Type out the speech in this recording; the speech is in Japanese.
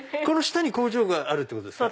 この下に工場があるってこと？